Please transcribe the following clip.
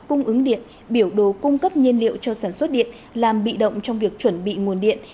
cung ứng điện biểu đồ cung cấp nhiên liệu cho sản xuất điện làm bị động trong việc chuẩn bị nguồn điện